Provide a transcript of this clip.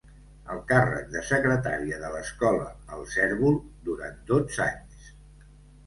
El càrrec de secretària de l'escola "El Cérvol" durant dotze anys.